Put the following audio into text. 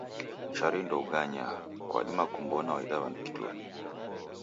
Chari ndouganyaa, kwadima kumbona waida w'andu kituri.